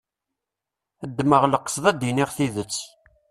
Ddmeɣ leqsed ad d-iniɣ tidet.